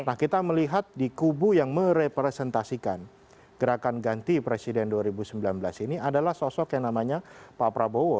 nah kita melihat di kubu yang merepresentasikan gerakan ganti presiden dua ribu sembilan belas ini adalah sosok yang namanya pak prabowo